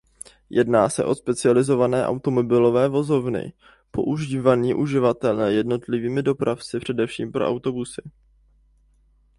Jedná se o specializované automobilové vozovny používaný užívané jednotlivými dopravci především pro autobusy.